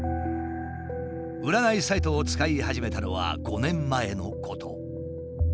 占いサイトを使い始めたのは５年前のこと。